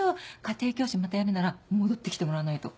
家庭教師またやるなら戻って来てもらわないと。